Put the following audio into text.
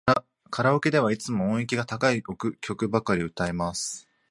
カラオケではいつも音域が高い曲ばかり歌います。